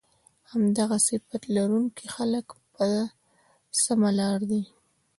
همدغه صفت لرونکي خلک په سمه لار دي